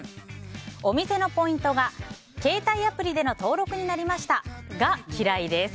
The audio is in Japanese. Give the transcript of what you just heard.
お店のポイントが「携帯アプリでの登録になりました」が嫌いです。